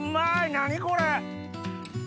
何これ！